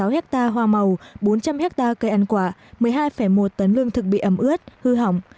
một bốn trăm một mươi sáu ha hoa màu bốn trăm linh ha cây ăn quả một mươi hai một tấn lương thực bị ẩm ướt hư hỏng